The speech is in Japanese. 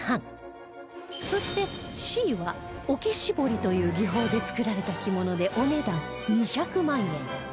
そして Ｃ は桶絞りという技法で作られた着物でお値段２００万円